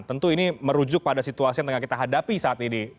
tentu ini merujuk pada situasi yang tengah kita hadapi saat ini